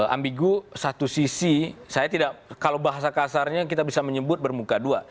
ambigu satu sisi saya tidak kalau bahasa kasarnya kita bisa menyebut bermuka dua